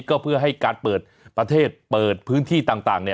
ก็เพื่อให้การเปิดประเทศเปิดพื้นที่ต่าง